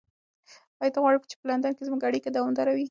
ایا ته غواړې چې په لندن کې زموږ اړیکه دوامداره وي؟